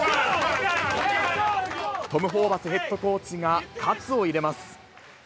トム・ホーバスヘッドコーチが活を入れます。